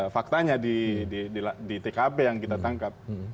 faktanya di tkp yang kita tangkap